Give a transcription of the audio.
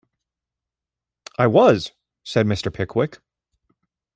‘I was,’ said Mr. Pickwick.